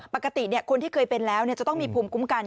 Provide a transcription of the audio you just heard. ปกติคนที่เคยเป็นแล้วจะต้องมีภูมิคุ้มกัน